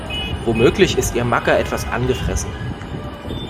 Womöglich ist ihr Macker etwas angefressen.